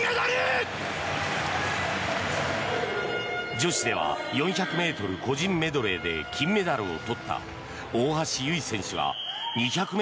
女子では４００ｍ個人メドレーで金メダルを取った大橋悠依選手が２００ｍ